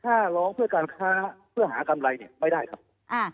ถ้าร้องเพื่อการค้าเพื่อหากำไรเนี่ยไม่ได้ครับอ่า